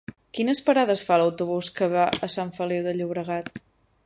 Quines parades fa l'autobús que va a Sant Feliu de Llobregat?